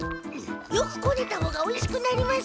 よくこねた方がおいしくなります。